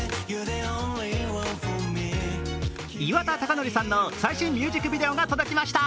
岩田剛典さんの最新ミュージックビデオが届きました。